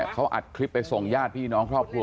เขาอัดคลิปไปส่งญาติพี่น้องครอบครัว